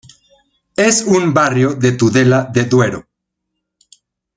Es un barrio de Tudela de duero